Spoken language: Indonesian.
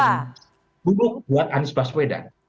dan semakin buruk buat anies baswedan